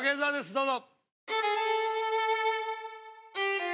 どうぞ。